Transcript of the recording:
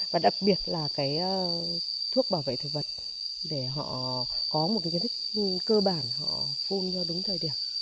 và đặc biệt là cái thuốc bảo vệ thực vật để họ có một cái kiến thức cơ bản họ phun cho đúng thời điểm